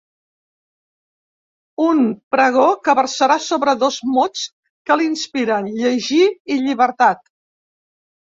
Un pregó que versarà sobre dos mots que l’inspiren: llegir i llibertat.